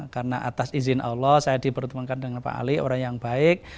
karena atas izin allah saya dipertemankan dengan pak ali orang yang baik